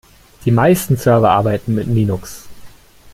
Die meisten Server arbeiten mit Linux.